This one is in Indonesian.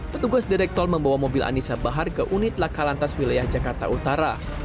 petugas direktor membawa mobil anissa bahar ke unit lakalantas wilayah jakarta utara